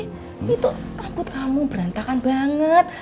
ini tuh rambut kamu berantakan banget